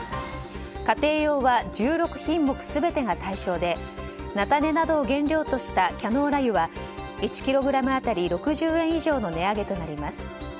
家庭用は１６品目全てが対象で菜種などを原料としたキャノーラ油は１ｋｇ当たり６０円以上の値上げになります。